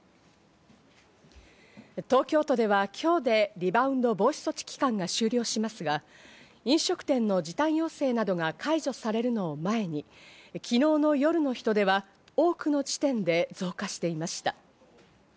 東京都では今日でリバウンド防止措置期間が終了しますが、飲食店の時短要請などが解除されるのを前に昨日の夜の人出は多くの地点で増加していました。